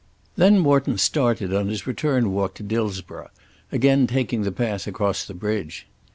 Then Morton started on his return walk to Dillsborough, again taking the path across the bridge.